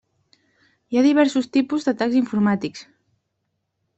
Hi ha diversos tipus d'atacs informàtics.